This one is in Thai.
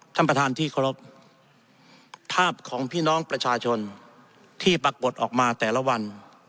ท่านประธานที่เคารพภาพของพี่น้องประชาชนที่ปรากฏออกมาแต่ละวัน